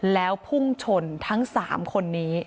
แล้วพุ่งชนทั้ง๓คนนี้